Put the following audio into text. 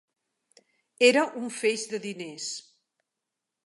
Era un feix de diners.